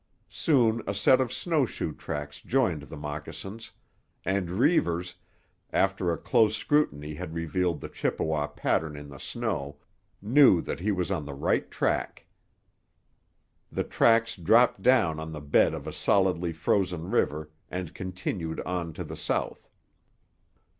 Soon a set of snow shoe tracks joined the moccasins, and Reivers, after a close scrutiny had revealed the Chippewa pattern in the snow, knew that he was on the right track. The tracks dropped down on to the bed of a solidly frozen river and continued on to the south.